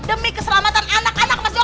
demi keselamatan anak anak mas dok